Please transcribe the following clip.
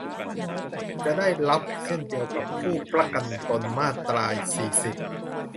จะได้รับเช่นเดียวกับผู้ประกันตน มาตรา สี่สิบ